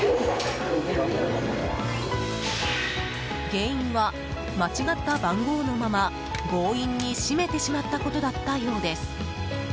原因は、間違った番号のまま強引に閉めてしまったことだったようです。